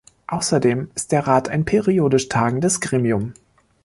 Außerdem ist der Rat ein periodisch tagendes Gremium.